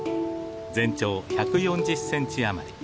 全長１４０センチ余り。